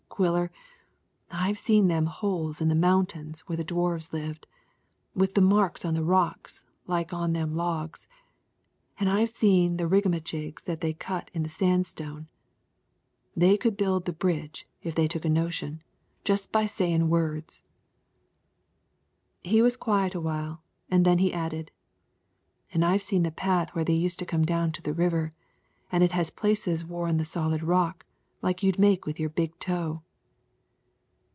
Quiller, I've seen them holes in the mountains where the Dwarfs lived, with the marks on the rocks like's on them logs, an' I've seen the rigamajigs that they cut in the sandstone. They could a built the bridge, if they took a notion, just by sayin' words." He was quiet a while, and then he added, "An' I've seen the path where they used to come down to the river, an' it has places wore in the solid rock like you'd make with your big toe."